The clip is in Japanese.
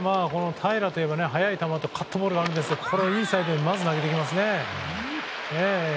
平良といえば速い球とカットボールがあるんですがインサイドにまず投げてきますね。